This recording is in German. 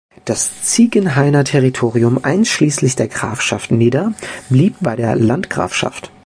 Das Ziegenhainer Territorium, einschließlich der Grafschaft Nidda, blieb bei der Landgrafschaft.